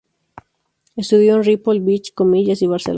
Estudió en Ripoll, Vich, Comillas y Barcelona.